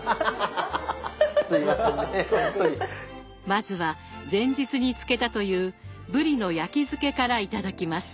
まずは前日に漬けたという「ぶりの焼き漬け」から頂きます。